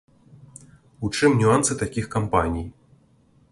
У чым нюансы такіх кампаній?